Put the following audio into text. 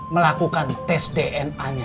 melakukan tes dna nya